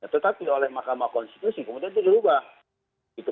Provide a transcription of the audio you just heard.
tetapi oleh mahkamah konstitusi kemudian itu dirubah